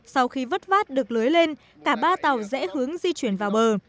sau khi vất vát được lưới lên cả ba tàu dễ hướng di chuyển vào bờ